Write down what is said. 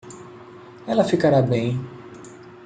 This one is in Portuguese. Ela ficará bem.